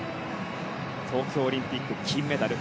東京オリンピック金メダル。